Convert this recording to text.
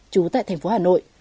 chú tại tp hà nội